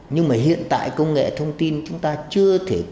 nhưng mà hiện tại công nghệ thông tin chúng ta chưa thể kết nối